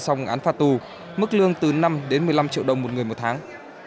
xong án phạt tù mức lương từ năm đến một mươi năm triệu đồng một người một tháng